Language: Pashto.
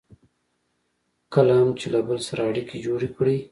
کله هم چې له بل سره اړیکې جوړې کړئ.